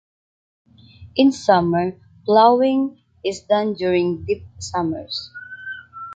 In summer ploughing is done during deep summers.